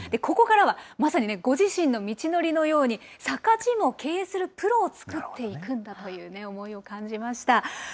ここからはまさにご自身の道のりのように、サッカーチームを経営するプロを作っていくんだという思いを感じました。